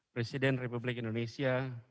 presiden republik indonesia